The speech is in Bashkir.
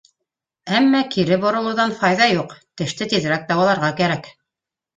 Әммә кире боролоуҙан файҙа юҡ, теште тиҙерәк дауаларға кәрәк.